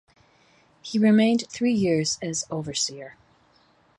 He remained three years as overseer.